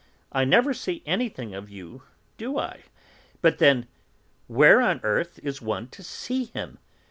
I never see anything of you, do I? But then, where on earth is one to see him?